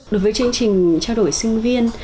đối với chương trình trao đổi sinh viên